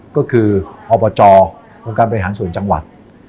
ก็คืออบจองค์การบริหารส่วนจังหวัด